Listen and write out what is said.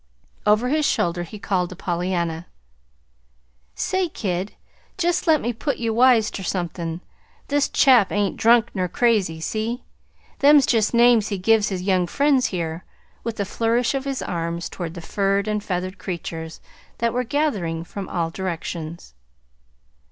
Over his shoulder he called to Pollyanna: "Say, kid, jest let me put ye wise ter somethin'. This chap ain't drunk nor crazy. See? Them's jest names he's give his young friends here," with a flourish of his arms toward the furred and feathered creatures that were gathering from all directions.